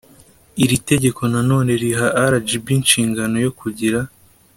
iri tegeko na none riha rgb inshingano yo kugira